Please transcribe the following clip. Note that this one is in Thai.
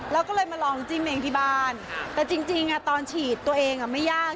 แล้วก็เลยมาลองจิ้มเองที่บ้านแต่จริงตอนฉีดตัวเองไม่ยาก